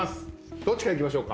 どっちからいきましょうか？